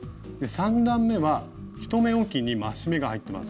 ３段めは１目おきに増し目が入っています。